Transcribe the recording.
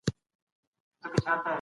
فنګسونه په لمدو ځایونو کې زیاتېږي.